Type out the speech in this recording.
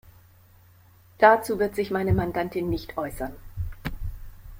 Dazu wird sich meine Mandantin nicht äußern.